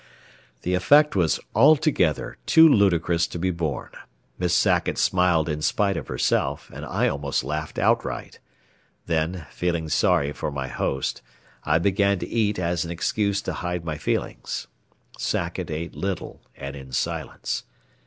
The effect was altogether too ludicrous to be borne. Miss Sackett smiled in spite of herself and I almost laughed outright. Then, feeling sorry for my host, I began to eat as an excuse to hide my feelings. Sackett ate little, and in silence.